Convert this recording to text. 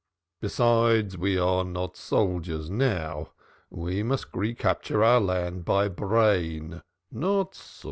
Besides, we are not soldiers now. We must recapture our land by brain, not sword.